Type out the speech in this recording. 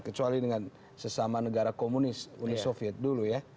kecuali dengan sesama negara komunis uni soviet dulu ya